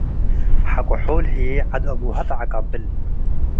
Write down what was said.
ሐቆ ሖል ህዬ ዐድ አቡሀ ተዐቀብል ።